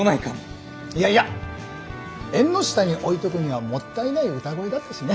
いやいや縁の下に置いとくにはもったいない歌声だったしね。